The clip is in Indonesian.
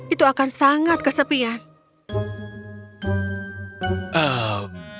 itu akan sangat kesepian